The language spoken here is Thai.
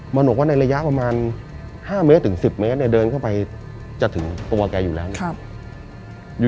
มันบอกว่าในระยะประมาณ๕เมตรถึง๑๐เมตรเดินเข้าไปจะถึงตัวแกอยู่แล้วเนี่ย